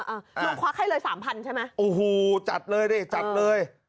ลุงควักให้เลยสามพันใช่ไหมโอ้โหจัดเลยดิจัดเลย